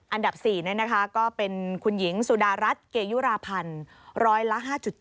อันดับ๔ก็เป็นคุณหญิงสุดารัฐเกยุราพันธ์ร้อยละ๕๗